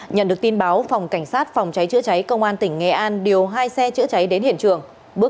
nhận được tin báo phòng cảnh sát phòng cháy chữa cháy công an tỉnh nghệ an điều hai xe chữa cháy đến hiện trường